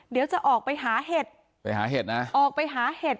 เดี๋ยวจะออกไปหาเห็ดไปหาเห็ดนะออกไปหาเห็ด